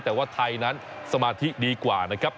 แต่ว่าไทยนั้นสมาธิดีกว่านะครับ